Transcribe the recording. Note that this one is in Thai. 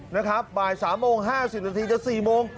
นะครับบ่ายสามโมงห้าสิบนาทีจะสี่โมง